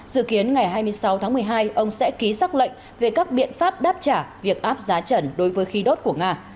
dự kiến ngày hai mươi sáu tháng một mươi hai ông sẽ ký xác lệnh về các biện pháp đáp trả việc áp giá trần đối với khí đốt của nga